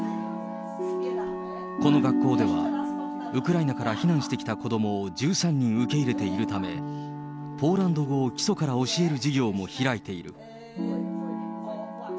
この学校では、ウクライナから避難してきた子どもを１３人受け入れているため、ポーランド語を基礎から教える授業も開いている。